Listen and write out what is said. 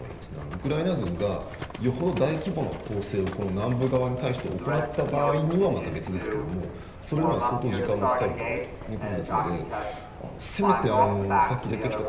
ウクライナ軍がよほど大規模な攻勢を南部側に対して行ったらまた別ですけれども、それには相当時間がかかるだろうということですので、せめてさっき出てきた